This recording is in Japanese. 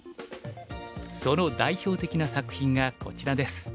その代表的な作品がこちらです。